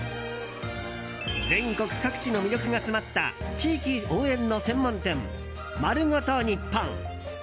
全国各地の魅力が詰まった地域応援の専門店まるごとにっぽん。